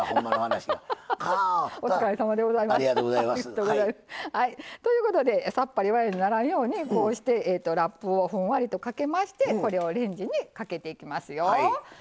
お疲れさまでございます。ということで、さっぱりわやにならんようにラップをふんわりとかけましてレンジにかけていきますよ。